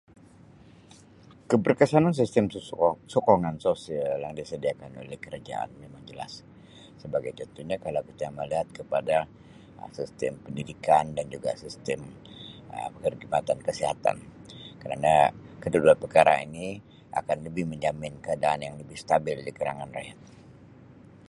Keberkesanan sistem soko-sokongan sosial yang disediakan oleh kerajaan memang jelas sebagai contohnya kalau kita melihat kepada Um sistem pendidikan dan juga sistem Um perkhidmatan kesihatan kerana kedua-dua perkara ini akan lebih menjamin keadaan yang lebih stabil dikalangan rakyat.